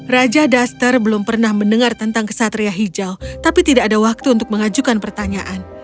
raja duster belum pernah mendengar tentang kesatria hijau tapi tidak ada waktu untuk mengajukan pertanyaan